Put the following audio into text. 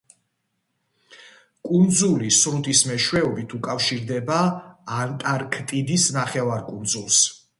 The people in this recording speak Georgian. კუნძული სრუტის მეშვეობით უკავშირდება ანტარქტიდის ნახევარკუნძულს.